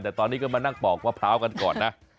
แต่ตอนนี้ก็มานั่งปอกมะพร้าวกันก่อนนะ